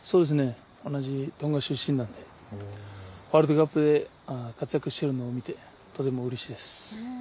同じトンガ出身なのでワールドカップで活躍しているのを見てとてもうれしいです。